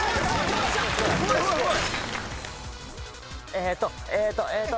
えーっとえーっとえーっと。